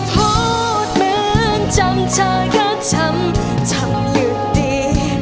พูดเหมือนจำเธอรักช้ำทำอยู่ดี